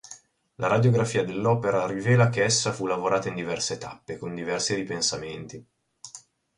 La radiografia dell'opera rivela che essa fu lavorata in diverse tappe, con diversi ripensamenti.